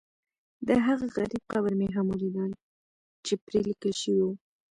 دهغه غریب قبر مې هم ولیده چې پرې لیکل شوي و.